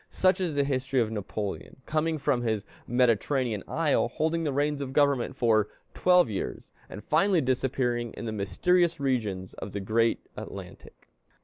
Such is the history of Napoleon, coming from his Mediterranean isle, holding the reins of government for twelve years, and finally disappearing in the mysterious regions of the great Atlantic.